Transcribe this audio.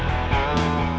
bapa tuan marah